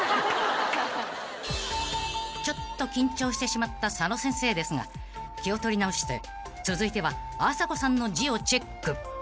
［ちょっと緊張してしまった佐野先生ですが気を取り直して続いてはあさこさんの字をチェック］